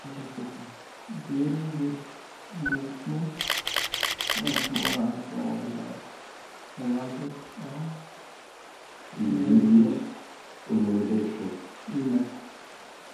During this deployment, "Rushmore" also was awarded a Meritorious Unit Commendation.